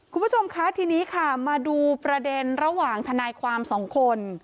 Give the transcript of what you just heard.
คุณผู้ชมคะทีนี้ค่ะมาดูประเด็นระหว่างทนายความสองคน